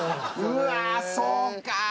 うわそうか。